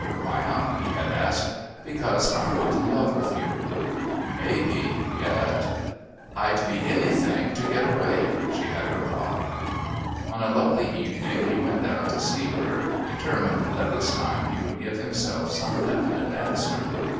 "Why not?" he had asked. "Because I'm not in love with you." "You may be yet." "I'd be anything to get away," she had replied. On a lovely evening he went down to see her, determined that this time he would give himself some definite answer.